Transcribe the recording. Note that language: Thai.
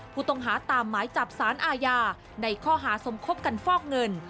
ผู้ต้องหาตามหมายจับสารอาญาในข้อหาสมคบกันฟอกเงิน